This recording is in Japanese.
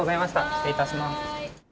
失礼いたします。